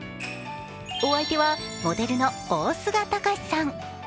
お相手はモデルの大須賀崇さん。